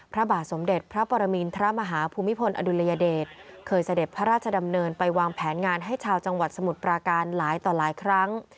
พระบาทสมเด็จพระปรมินทรมาฮาภูมิพลอดุลยเดชเคยเสด็จพระราชดำเนินไปวางแผนงานให้ชาวจังหวัดสมุทรปราการหลายต่อหลายครั้ง